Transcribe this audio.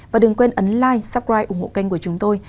và đừng quên ấn like subscribe ủng hộ kênh của chúng tôi